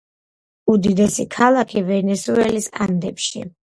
უდიდესი ქალაქი ვენესუელის ანდებში.